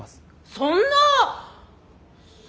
そんな。